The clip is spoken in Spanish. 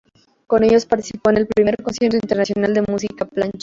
Con ellos participó en el primer Concierto Internacional de Música Plancha.